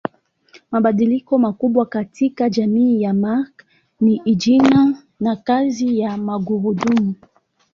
Mabadiliko makubwa katika jamii ya Mark ni injini na kazi ya magurudumu.